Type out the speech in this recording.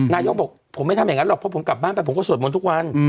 นายกบอกผมไม่ทำอย่างนั้นหรอกเพราะผมกลับบ้านไปผมก็สวดมนต์ทุกวัน